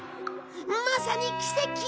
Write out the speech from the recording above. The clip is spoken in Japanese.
まさに奇跡！